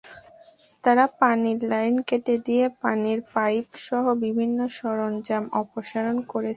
তাঁরা পানির লাইন কেটে দিয়ে পানির পাইপসহ বিভিন্ন সরঞ্জাম অপসারণ করছিলেন।